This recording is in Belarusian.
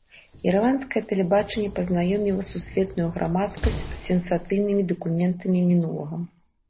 Ірландскае тэлебачанне пазнаёміла сусветную грамадскасць з сенсацыйнымі дакументамі мінулага.